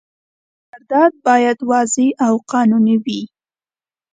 قرارداد باید واضح او قانوني وي.